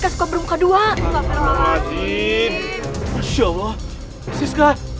kalau begini gak akan dikembalikan rumah kita